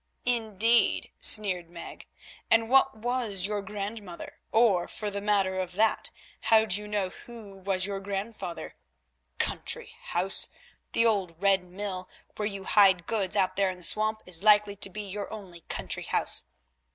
"Indeed," sneered Meg, "and what was your grandmother, or, for the matter of that, how do you know who was your grandfather? Country house! The old Red Mill, where you hide goods out there in the swamp, is likely to be your only country house.